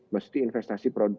mesti investasi mesin misalnya